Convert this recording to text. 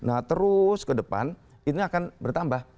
nah terus ke depan ini akan bertambah